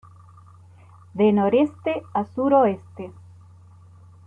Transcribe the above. De noreste a suroeste